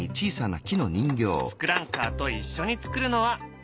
ツクランカーと一緒に作るのは「もおでる」。